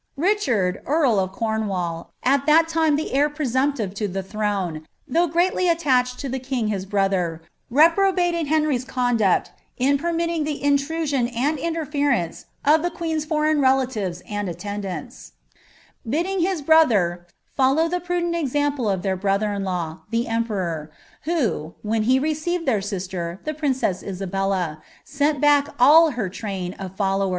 Kichsid, earl of Cornwall, at tliat lime the heir praauniptiTfl to tin throne, ihotuh greatly attached to the king his brother, reprobaied llenr)''s conduct in permitting the iiilnisioii and interference of iht tiueeu's foreign relalivea and utleud&nts; bidding his brother "fuUo* llie prudent exnmple of their brother in law, tho emperor, who, vhoi he received ilicir sister, l)ie princess Isabella, sent bark all her tnio ol followen."